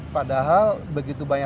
padahal begitu banyak